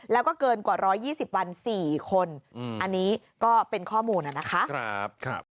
แล้วก็เกินกว่า๑๒๐วัน๔คนอันนี้ก็เป็นข้อมูลนะคะ